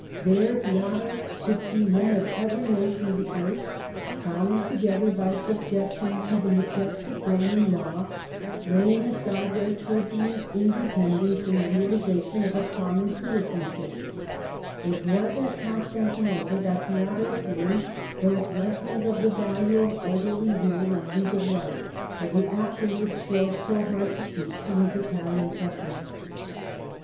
There Theodoric could see men }f every nation of the earth, bound together by subjection bo the majestic Boman law, laying aside their turbulent independence in the realisation of a common citizenship, ft was at Constantinople that Theodoric learnt those essons of the value of orderly rule and legal right that ae afterwards strove so hard to teach to his Italian subjects.